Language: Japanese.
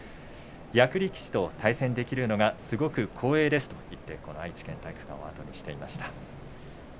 役力士と対戦できるのがすごく光栄ですと言って、この愛知県体育館を後にしていました。